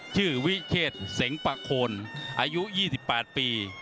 ชื่อวิเคศเสงปะโคลอายุ๒๘ปี